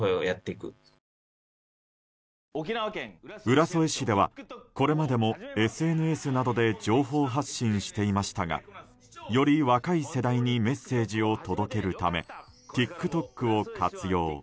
浦添市ではこれまでもＳＮＳなどで情報発信していましたがより若い世代にメッセージを届けるためＴｉｋＴｏｋを活用。